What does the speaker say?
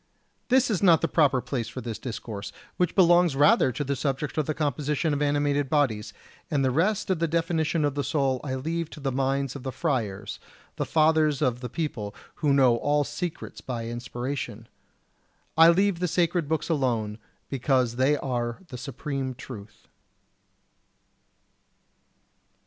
This is not the proper place for this discourse, which belongs rather to the subject of the composition of animated bodies; and the rest of the definition of the soul I leave to the minds of the friars, the fathers of the people, who know all secrets by inspiration. I leave the sacred books alone, because they are the supreme truth.